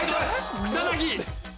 草薙。